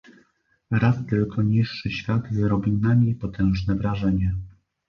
"Raz tylko niższy świat zrobił na niej potężne wrażenie."